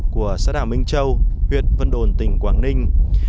của xã đảo minh châu huyện vân đồn tỉnh quảng ninh